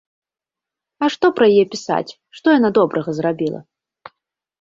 А што пра яе пісаць, што яна добрага зрабіла?